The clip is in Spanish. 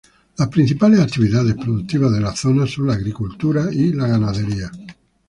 Las principales actividades productivas de la zona son la agricultura y la ganadería.